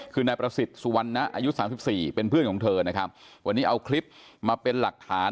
คือนายประสิทธิ์สุวรรณะอายุสามสิบสี่เป็นเพื่อนของเธอนะครับวันนี้เอาคลิปมาเป็นหลักฐาน